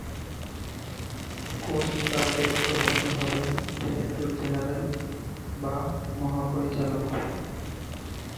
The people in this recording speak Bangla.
কোস্ট গার্ডের প্রধান হলেন "ডিরেক্টর জেনারেল" বা মহাপরিচালক।